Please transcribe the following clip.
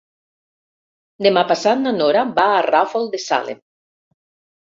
Demà passat na Nora va al Ràfol de Salem.